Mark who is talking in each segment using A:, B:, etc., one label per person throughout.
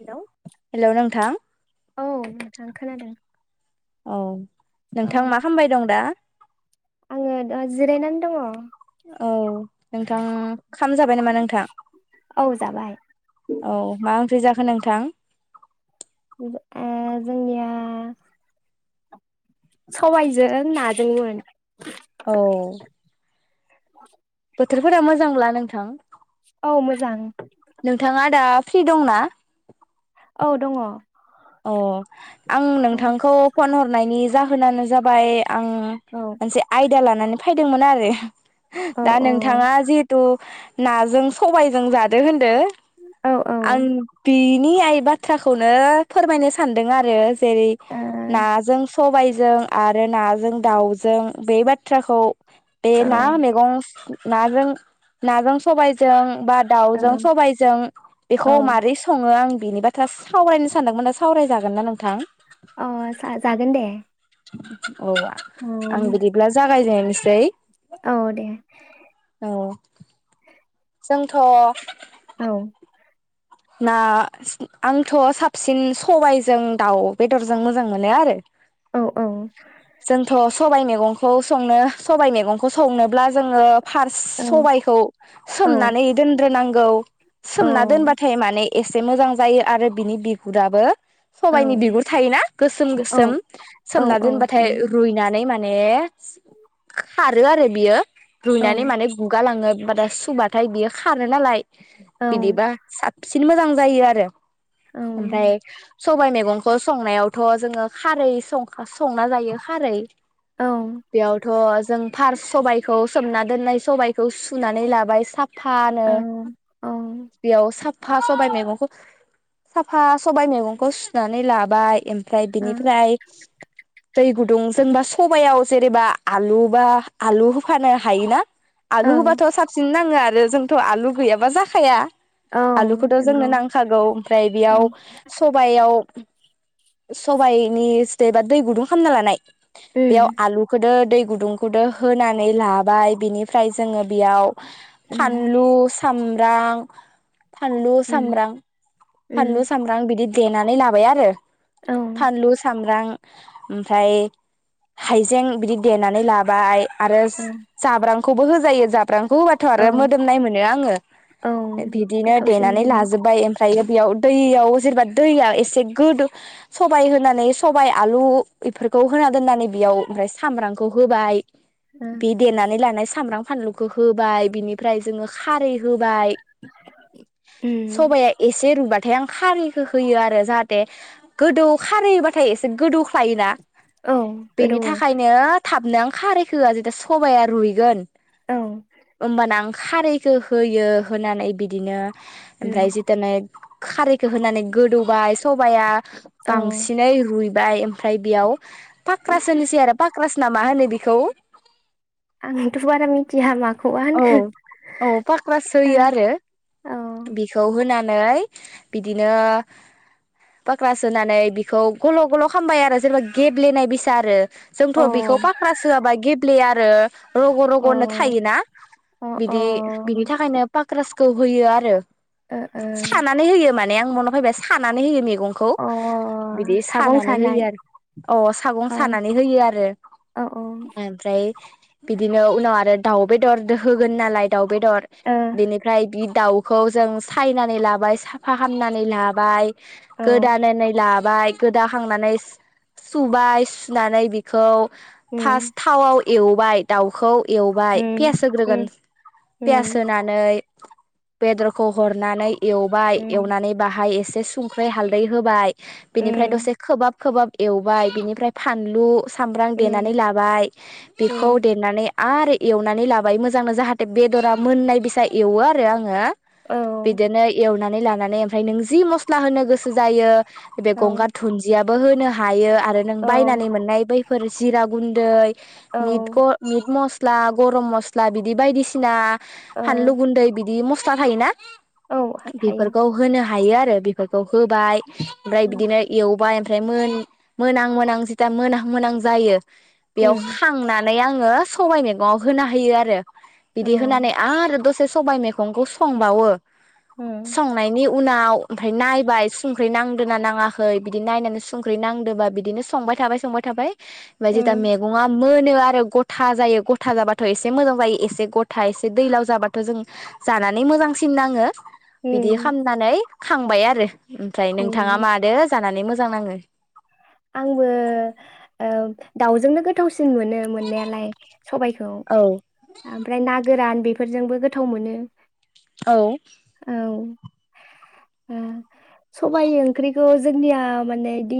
A: Hello
B: hello नोंथां।
A: औ नोंथां खोनादों।
B: औ।
A: औ
B: नोंथां मा खामबाय दं दा?
A: आङो दा जिरायनानै दङ?
B: औ नोंथांं खाम जाबाय नामा नोंथां
A: औ जाबाय
B: औ मा ओंख्रि जाखो? हो नोंथां?
A: जोंनिया सबायजों नाजोंमो।
B: औ।
A: [inaudible]
B: बोथोरफोरा मोजांब्ला नोंथां?
A: औ मोजां।
B: नोंथाङा दा फ्रि दंना?
A: औ दङ।
B: अ आं
A: औ
B: नोंथांखौ फन हरनायनि जाहोनानो जाबाय आं
A: औ
B: मोनसे आयदा लानानै फैदोंमोन आरो।
A: औ
B: दा नोंथाङा जिहेतु नाजों सबायजों जादो होनदो
A: औ ओ
B: आं बि नि आइ बाथ्राखौनो फोरमायनो सानदों आरो जेरै
A: औ
B: नाजों सबायजों आरो नाजों दाउजों बे बाथ्राखौ बे ना मैगं नाजों नाजों सबायजों बा दाउजों
A: औ
B: सबायजों बेखौ
A: औ
B: माबारै सङो आं बेनि बाथ्रा सावरायनो सानदोंमोना सावरायजागोनना नोंथां?
A: अ जागोन दे।
B: औ
A: औ
B: आं बिदिब्ला जागायजेननो। सै।
A: औ दे।
B: जोंथ।
A: औ।
B: ना [unintelligible] आंथ' साबसिन सबायजों दाउ बेदरजों मोजां मोनो आरो।
A: औ औ
B: जोंथ' स सबाइ मैगंखौ संनो सबाइ मैगंखौ संनोब्ला जोङो। फार्स
A: औ
B: सबायखौ सोमनानै दोनद्रोनांग औ।
A: औ
B: सोमना दोनबाथ माने एसे मोजां जायो आरो बिनि बिगुराबो। सबायाइनि बिगुर थायोना गोसोम
A: औ
B: गोसोम
A: औ
B: सोमना
A: औ
B: दोनबाथाय
A: थायो
B: रुइनानै मान ने खारो आरो बियो।
A: औ
B: रुयनानै माने गुगालाङो। [unintelligible] सुबाथाय बियो खारो नालाय।
A: औ
B: बिदिबा। साबसिन मोजां जायो आरो।
A: औ
B: ओमफ्राय सबाइ मेगंखौ संनायाव। थ' जोङो खारै संखा- संना जायो खारै। बेयावथ' जों। फार्स सबायाइखौ सोमना दोननाय सबायखौ सुनानै लाबाय साफ फानो।
A: औ औ
B: साफा सबाय मैखौ साफा सबाय मैगंखौ सुनानै लाबाय एम फ्राय
A: ओ
B: बिनिफ्राय। गुदुं जोंबा सबयाव जेनेबा आलु बा आलु होफानो हायोना। आलु
A: ओं
B: बाथ' साबसिनना। जोङो आरो जोंथ' आलु गैयाबा जाखाया।
A: औ
B: आलुखौथ' जोंनो
A: नंगौ
B: नांखागौ ओमफ्राय
A: ओं उम
B: बेयाव सबयाव। सबाइनि स्टेबा दै गुदुं खालामना लानाय। बेयाव आलुखौदो। दै गुदुंखौदो होनानै लाबाय बिनिफ्राय जोङो बेयाव।
A: उम
B: फानलु साम [unintelligible] फानलु सामब्रां फानलु सामब्रां बिदि। देनानै लाबाय आरो।
A: उम औ
B: फानलु सामब्रां। ओमफ्राय हाइजें बिदि देनानै लाबाय। आरोस साब्रांखौबो होजायो जाब ब्रांखौ होबाथ'
A: औ
B: आरो मोदोमनाय मोनो आङो
A: औ
B: बिब बिदिनो
A: गोथावसिन
B: देनानै
A: जायो
B: लाजोब्बाय ओम ओमफ्रायो बेयाव दैयाव जेनेबा दैया एसे गोदो सबाइ होनानै सबाइ आलु बेफोरखौ होना दोननानै बेयाव ओमफ्राय सामब्रामखौ होबाय
A: ओ
B: बे देनानै लानाय सामब्राम फानलुखो होबाय बिनिफ्राय जोङो खारै होबाय
A: उम
B: सबाइया एसे रुबाद थाय आं खारैखो होयो आरो जाहाथे गोदौ खारैबाथाय एसे गोदौख्लायोना
A: औ
B: बेनि
A: गोदौवो
B: थाखायनो थाब नों खारैखो होया जेदा सबाइया रुयगोन
A: औ
B: ओमबा नांग खारैखो होयो होनानै बिब दिनो ओमफ्राय
A: उम
B: जितानै खारैखो होनानै गोदौबाय सबाइया
A: औ
B: बांसिनैयै रुयब बाय ओमफाय बेयाव पाकक्रास होनिसै आरो पाकक्रास ब्ला मा होनो बिखौ?
A: आंथ' बारा मिथिया माख
B: औ औ पाकख्रास होयो आरो बिखौ होनान नै बिदिनो पाकक्रास होनानै बिखौ गल' गल' खामबाय आरो जेनेबा गेब्लेनाय बिसा आरो
A: ओ
B: जोंथ'
A: औ
B: बेखौ पाकक्रास होयाबा गेब फ्लेयो आरो रग' रग'नो थायोना?
A: अ
B: बिदि बिनि थाखायनोब पक्रासखौ होयो आरो।
A: अ अ
B: खानानै होयो मा नेयां मनफायबाय सानानै होयो मेगं गंखौ
A: ओ
B: बिदि
A: अ सागं
B: सानानै
A: सानाय
B: होयो आरो अ सागं
A: अ औ
B: सानानै होयो आरो
A: औ
B: एमफ्राय बिदिनो उनाव आरो दाउ बेदर होगोन नालाय दाउब बेदर
A: ओ
B: बेनिफ्राय बिड दाउखौ जों सायनानै लाबाय साफा खालामामनानै लाबाय
A: औ
B: गोदानानै ला बाय गोदाखांनानै सुबाय सुनानै बेखौ फार्स्ट
A: उम
B: थावाव एवबाय दाउखौ एवबाय
A: उम
B: पियास होग्रोगोन
A: उम
B: पियास
A: उम
B: होनानै बेदरखौ हरनानै एवबाय
A: उम
B: एवनानै बाहाय ए एसे संख्रै हालदै होबाय बिनिफ्राय
A: उम
B: दसे खोबाब खोबाब एवबाय बिनिफ्राय फानलु सामब्राम देनानै
A: उम
B: लाबाय बेखौ
A: उम
B: देनानै आरो एवना ननै लाबाय मोजां जाहाथे बेदरा मोननाय बेसा एवो आरो आङो
A: औ
B: बिदिनो एवना एवनानै लानानै ओमफ्राय नों जि मस्ला होनो गोसो जायो बे
A: औ
B: गंगार धुनन्जिया बो होनो हायो आरो नों
A: औ
B: बायनानै मोननाय बैफोर जिरा गुन्दै मिद ग
A: औ
B: मिद मस्ला ला गरम मस्ला बिदि बायदिसिना
A: ओ
B: बानलु गुन्दै बिदि म बाहायोना
A: औ थायो
B: बेफोरखौ होनो हा हायो आरो बेफोरखौ होबाय ओमफ्राय
A: उम
B: बिदिनो एवबाय ओमफ्राय मोन मोनहां मोनहां जिथिथा मोनहां मोनहां जायो बेयाव
A: उम
B: खांनानै नै आङो सबबाय मैगं होना होयो आरो
A: औ
B: बिदि होनानै आरो दसे सबायाइ मैगंखौ संबावो
A: उम
B: संनायनि उनाव उनाव ओमफ्राय नायबाय संख्रि नांदोंना नाङाखै बिदि नायनानै संख्रि नांदोबा बिदिनो संबाय थाबाय संबाय थाबाय ओमफ्राय जेता
A: उम
B: मेगंआ मोनो आरो गथा जायो गथ गथा जाबाथ' एसे मोजां जायो एसे गथा एसे दैलाव जाबाथ' जों जानानै मोजांसिन नाङो। बिदि
A: उम
B: खामनानै खांबाय आरो। ओमफ्राय नोंथाङा
A: उम
B: मादो जानानै मोजां मोजां नाङो?
A: आंबो ओ दाउजोंनो गोथावसि मोन मोननायालाय सबायखौ
B: औ
A: ओमफ्राय ना गोरान बेफोरजोंबो गोथाव मोनो।
B: औ
A: औ। सबाय ओंख्रिखौ जोंनिया माने दि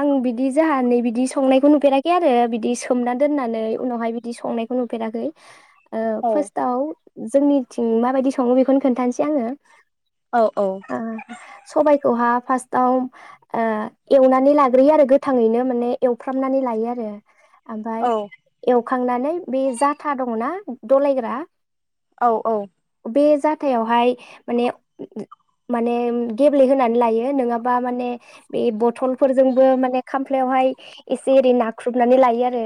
A: आं बिदि जाहा नै बिदि संनायखौ नुफेराखै आरो बिदि सोमना दोननानै उनावहाय बिदि संनायखौ नुफेराखै। ओ
B: औ
A: फास्ताव जोंनिथिं माबायदि सङो बेखौनो खोनथानोसै आङो।
B: औ औ।
A: खौहा फास्टाव एवनानै ओ ला ग्रोयो आरो गोथांङैनो माने एवफ्रामनानै लायो आरो। ओमफाय
B: औ
A: एव सुखांनानै बे जाथा दंना दलायग्रा
B: औ औ।
A: बे जाथायावहाय माने माने गेब्लेहोनानै लायो नङाबा माने बे बथलफोर जोंबो माने खामफ्लायावहाय एसे एरै नाख्रुबनानै लायो आरो।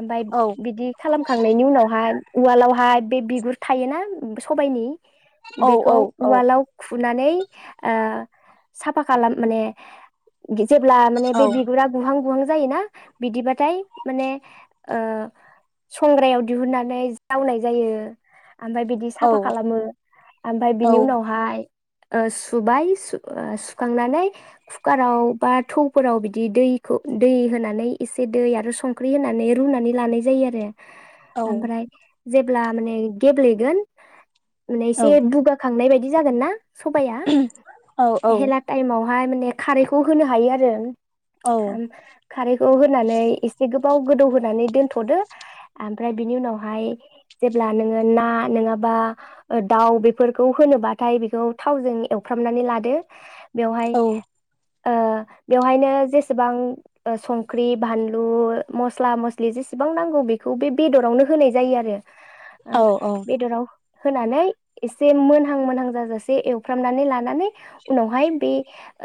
A: ओमफाय
B: औ
A: बिदि खालामखांनायनि उनावहाय उवालावहाय बे बिगुर थायोना सबायाइनि बेखौ
B: औ
A: उवलााव खु फुनानै ओ साफा खालाम माने जेब्ला माने बे
B: औ
A: बिगुरा गुहां गुहां जायोना बिदिबाथाय माने ओ संग्रायाव दिहुननानै जावनाय जायो ओमफाय बिदि साफा खालामो ओमफाय बिनि उनावहाय ओ सुबाय‌ सु ओ सुखांनानै कुकाराव बा थौफोराव बिदि दैखौ दै होनानै एसे दै आरो संख्रि होनानै रुनानै लानाय जायो आरो।
B: औ
A: ओमफ्राय जेब्ला माने गेब्लेगोन माने एसे बुगाखांनाय बाय दि जागोन ना सबाइया?
B: औ
A: हेला टाइमाव बाय माने खारैखौ होनो हायो
B: औ
A: आरो खारैखौ होनानै एसे गो बाव गोदौ होनानै दोनथ'दो ओमफ्राय बिनि उनावहाय जेब्ला नोङो ना नङाबा ओ दाउ बेफोरखौ होनोबाथाय बेखौ थावजों एवफ्रामनानै लादो। बेवहाय
B: औ
A: ओ बेवहायनो जेसेबां ओ संख्रि बानलु मस्ला मस्लि जेसेबां नांगौ बेखौ बे बेदरावनो होनाय जायो आरो।
B: औ
A: ओमफ बेदराव होनानै एसे मोनहां मोनहां जाजासे एवफ्रामनानै लानानै उनावहाय बे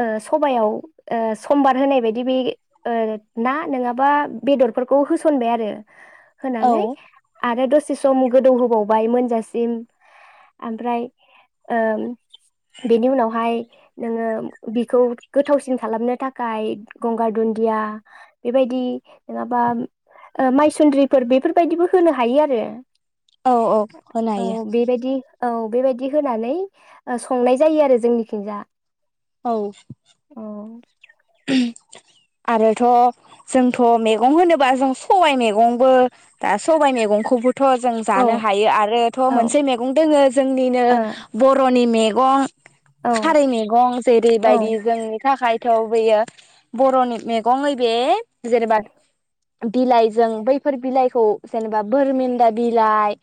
A: ओ सबायाव ओ समबार होनाय बायदि बे ओ ना नङाबा बेदरफोरखौ होसनबाय आरो।
B: औ
A: होनानै आरो दसे सम गोदौहोबावबाय मोनजासिम ओमफ्राय ओ बेनि उनावहाय नोङो बिखौ गोथावसिन खालामनो थाखाय गंगार दुन्दिया बेबायदि नङाबा ओ मायसुन्द्रिफोर बेफोरबायदिबो होनो हायो आरो।
B: औ औ होनो
A: औ
B: हायो।
A: बेबायदि औ बेबायदि होनानै ओ संनाय जायो आरो जोंनिखिंजा।
B: औ।
A: औ।
B: आरोथ' जोंथ' मैगं होनोबा जों सबाइ मैगंबो दा सबाइ मैगंखौबो थ' जों
A: औ
B: जानो हायो आरो थ'
A: औ
B: मोनसे मेगं दोङो जोंनिनो बर'नि मे गं
A: ओ
B: खारै मैगं
A: औ
B: जेरैबायदि जोंनि थाखाय थौ बैयो बर'नि मैगङै बे जेनोबा बिलाइजों बैफोर बिलाइखौ जेनोबा बोरमेन्दा बिलाइ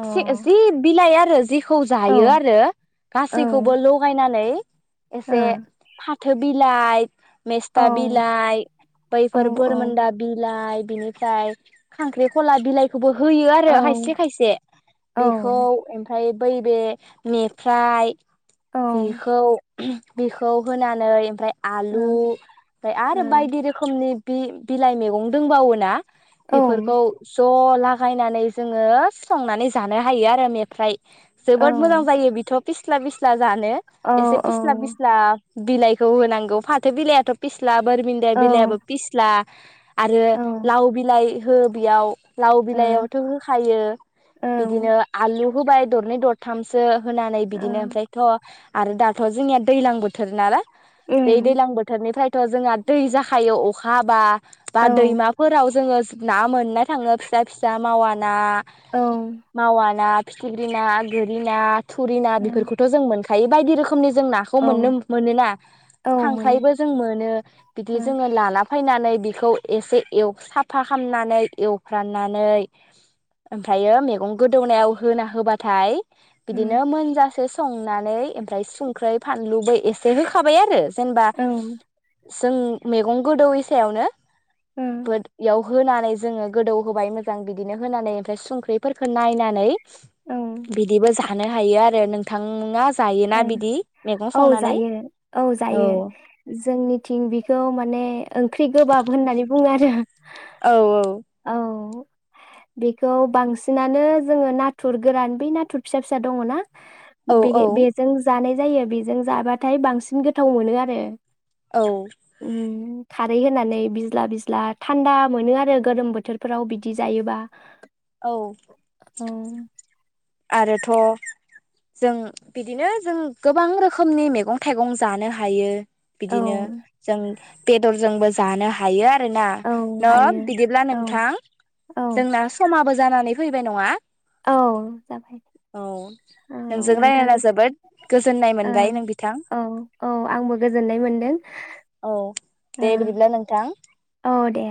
A: औ
B: जि बिलाइया रो जिख खौ
A: अ
B: जायो
A: औ
B: आरो
A: औ
B: गासैखौबो
A: ओ
B: लगायनानै एसे फा थो बि लायथ
A: औ
B: मेस्था बिलाइ
A: औ
B: बैफोर बोरमोनदा बिलाइ बिनिफ्राय खांख्रिख'ला बिलाइखौबो होयो आरो खायसे खायसे बेखौ
A: औ
B: ओमफाय बैबे मेफ्राय
A: औ
B: बेखौ बेखौ होनानै फ्राय आलु
A: औ
B: ओमफाय
A: ओ
B: आरो बायदि रोखोमनि बि बिलाइ मैगं दोंबावोना?
A: औ
B: बेफोरखौ ज'थ लागायनानै जोङो संनानै जानो हायो आरो मेफ्राय
A: औ
B: जोबोद मोजां जायो बिथ' पिस्ला बिस्ला जानो
A: औ
B: एसे
A: औ
B: फिस्ला फिस्ला बिलाइ खौ‌ होनांगौ फाथो बिलाइथ' फिस्लाब बोरमिदाय
A: औ
B: बिलायाबो फिसला आरो
A: औ ओ
B: लाव बिलाइ हो बेयाव लाव
A: औ
B: बिलाइयावथ' होखायो बिदिनो आलु हबाय दरनै दरथामसो। होनानै बिदिनो ओमफ्रायथ' आरो दाथ' जोंनिया दैलां बोथोर नालाय। दै
A: ओम
B: दैलां बोथोरनिफ्राय थ' जोंहा दै जाखायो अखा हाबा। बा
A: औ
B: दैमाफोराव जोङो ना मोननाय थाङो फिसा फिसा मावा ना।
A: औ
B: मावा ना। फिथिग्रि ना, गोरि ना थुरिना बिफोरखौथ' जों मोनखा हायो बायदि रोख खोमनि जों नाखौ मोननो मोनोना।
A: औ मोनो
B: खांख्राइबो जों मोनो बिदि
A: ओ
B: जों लाला फायनानै बेखौ एसे एल साफा खामनानै एवफ्रानानै ओमफ्रायो मेगं गोदौनायाव होना होबाथाय बिदिनो मोन जास एसे संनानै ओमफ्राय सुंख्रै फानलुबो एसे होखा थाबाय आरो जेनबा जों मेगं गोदौैयि सायावनो इयाव होनानै जोङो गोदौ होबाय मोजां बिदिनो होनानै ओमफ्राय संख्रिफोरखौ नायनानै
A: ओ
B: बिदि बो जा थानो हायो आरो नोंथाङा जायोना
A: औ
B: बिदि मेगं
A: औ
B: संनानै
A: जायो औ जायो जोंनिथिं बिखौ माने ओंख्रि गोबाब होननानै बुङो आरो। जाहा
B: औ औ
A: बेखौ बांसिनानो जोङो नाथुर गोरान बै नाथुर फिसा फिसा दङना
B: औ
A: बेगे बे
B: औ
A: जानाय जायो बेजों जाबाथाय बांसिन गोथाव मोनो आरो।
B: औ
A: उम खारै होनानै बिज्ला बिज्ला थान्दा मोनो आरो गोरोम बोथोरफोराव बिदि जायोबा
B: औ
A: औ
B: आरोथ' जों बिदिनो जों गोबां रोखोमनि मेगं थाइगं जानो हायो।
A: औ
B: बिदिनो जों बेदरजोंबो जानो हायो आ रोना
A: औ हायो
B: न बिदिब्ला
A: औ
B: नोंथां
A: औ
B: जोंना समाबो जानानै फै फैबाय नङा
A: औ जाबाय
B: औ
A: औ
B: नोंजों रायज्लायना
A: नोंथांजों
B: जोबोद गोजोननाय
A: ओं
B: मोनबाय नों बिथां
A: औ औ आंबो गोजोननाय मोनदों
B: औ
A: ओ
B: दे बिदिब्ला नोंथां
A: औ दे